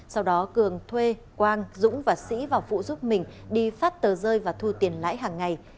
sau đó cường thuê quang dũng và sĩ vào phụ giúp mình đi phát tờ rơi và thu tiền lãi hàng ngày